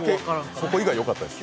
そこ以外よかったです。